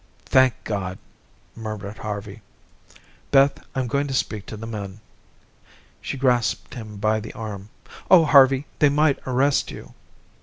"Thank God," murmured Harvey. "Beth, I'm going to speak to the men." She grasped him by the arm. "Oh, Harvey, they might arrest you."